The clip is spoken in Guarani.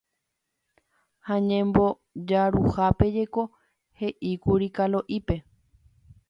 ha ñembojaruhápe jeko he'íkuri Kalo'ípe.